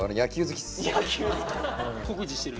酷似してるね。